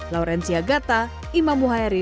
laurencia gatta imam muhairif jawa barat